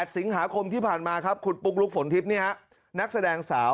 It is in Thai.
สิงหาคมที่ผ่านมาครับคุณปุ๊กลุ๊กฝนทิพย์นักแสดงสาว